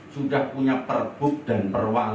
sudah punya perbuk dan perwali